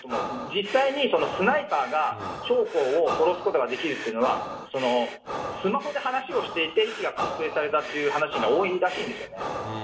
実際にスナイパーが将校を殺すことができるというのは、スマホで話をしていて位置が確定されたっていう話が多いらしいんですよね。